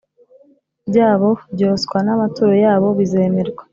byabo byoswa n amaturo yabo bizemerwa